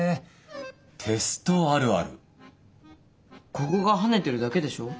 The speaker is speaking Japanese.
ここがハネてるだけでしょ。